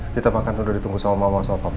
kita makan dulu ditunggu sama mama sama papa